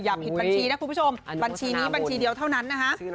ผิดบัญชีนะคุณผู้ชมบัญชีนี้บัญชีเดียวเท่านั้นนะฮะ